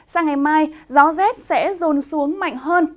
sang ngày mai gió rét sẽ rồn xuống mạnh hơn